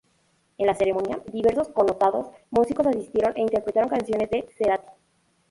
En la ceremonia, diversos connotados músicos asistieron e interpretaron canciones de Cerati.